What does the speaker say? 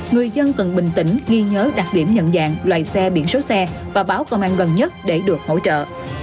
người dân cần bình tĩnh ghi nhớ đặc điểm nhận dạng loại xe biển số xe và báo công an gần nhất để được hỗ trợ